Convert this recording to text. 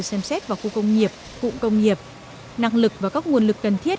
xem xét vào khu công nghiệp cụm công nghiệp năng lực và các nguồn lực cần thiết